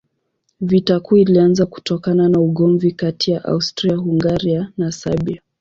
Vita Kuu ilianza kutokana na ugomvi kati ya Austria-Hungaria na Serbia.